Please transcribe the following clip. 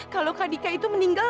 kalau kadika itu meninggal